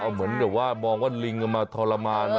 เหมือนเดี๋ยวว่ามองว่าลิงกำลังมาทรมาน